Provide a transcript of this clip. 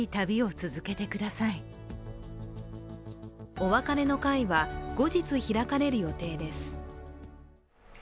お別れの会は、後日開かれる予定です。